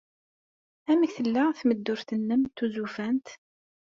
Amek tella tmeddurt-nnem tuzufant?